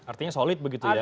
artinya solid begitu ya